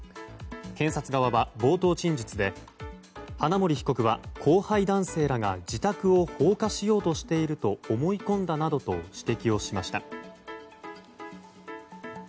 検察側は冒頭陳述で花森被告は後輩男性らが自宅を放火しようとしていると思い込んだなどと指摘をしました。